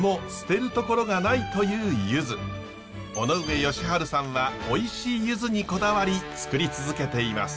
尾上喜治さんはおいしいゆずにこだわりつくり続けています。